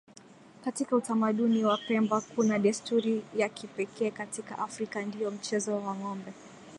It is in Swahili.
Katika utamaduni wa Pemba kuna desturi ya kipekee katika Afrika ndiyo mchezo wa ngombe